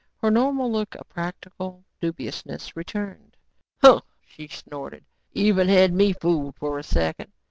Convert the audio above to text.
Her normal look of practical dubiousness returned. "Huh," she snorted. "Even had me fooled for a second.